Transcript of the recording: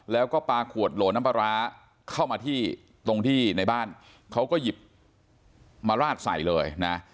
แล้วก็ปลาขวดโหลน้ำปลาร้าเข้ามาที่ตรงที่ในบ้านเขาก็หยิบมาราดใส่เลยนะ